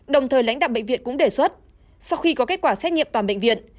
đồng thời lãnh đạo bệnh viện cũng đề xuất sau khi có kết quả xét nghiệm toàn bệnh viện